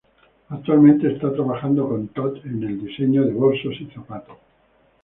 Actualmente está trabajando con Tod en el diseño de bolsos y zapatos.